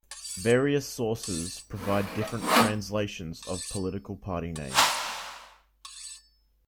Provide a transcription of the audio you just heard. Various sources provide different translations of political party names.